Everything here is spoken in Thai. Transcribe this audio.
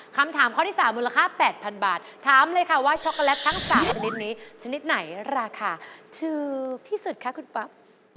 คำถามข้อที่๓มูลค่า๘๐๐๐บาทถามเลยค่ะว่าช็อกโกแลตทั้ง๓ชนิดนี้ชนิดไหนราคาถูกที่สุดคะคุณป๊อป